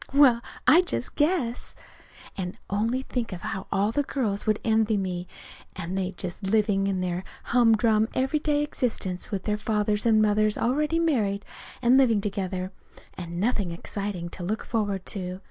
Well, I just guess! And only think how all the girls would envy me and they just living along their humdrum, everyday existence with fathers and mothers already married and living together, and nothing exciting to look forward to.